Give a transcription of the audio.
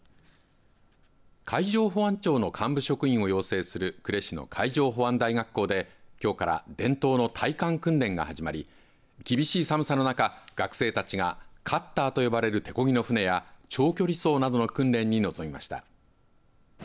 海上保安庁の幹部職員を養成する呉市の海上保安大学校できょうから伝統の耐寒訓練が始まり厳しい寒さの中、学生たちがカッターと呼ばれる手こぎの船や長距離走などの訓練に臨みました。